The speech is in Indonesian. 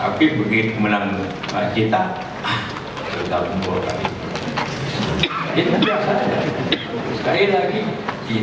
jangan berubah banyak partai yang bergabung dengan pemerintahan sbyjk